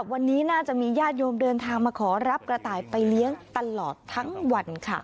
วันนี้น่าจะมีญาติโยมเดินทางมาขอรับกระต่ายไปเลี้ยงตลอดทั้งวันค่ะ